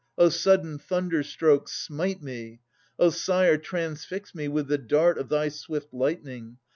O sudden thunderstroke. Smite me! O sire, transfix me with the dart Of thy swift lightning!